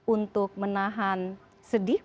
untuk menahan sedih